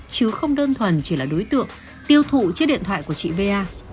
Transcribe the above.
chứ không đơn thuần chỉ là đối tượng tiêu thụ chiếc điện thoại của chị v a